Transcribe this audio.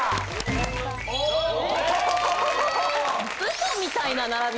嘘みたいな並び。